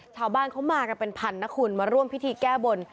ชาวบ้านเขามากันเป็นพันนะคุณมาร่วมพิธีแก้บน